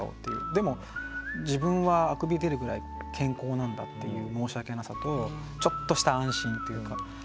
でも自分はあくび出るぐらい健康なんだっていう申し訳なさとちょっとした安心っていうか。